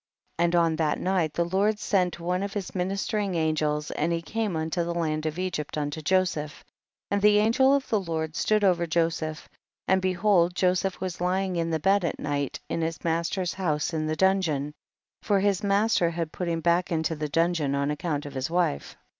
13. And on that night the Lord sent one of his ministering angels, and he came unto the land of Egypt unto Joseph, and the angel of the Lord stood over Joseph, and behold Joseph was lying in the bed at night in his master's house in the dungeon, for his master had put him back into the dungeon on account of his wife.